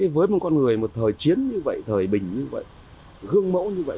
với một con người một thời chiến như vậy thời bình như vậy gương mẫu như vậy